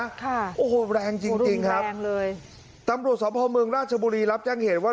ค่ะโอ้โหแรงจริงครับตำรวจสวพพลเมืองราชบุรีรับแจ้งเหตุว่า